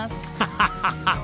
ハハハハッ！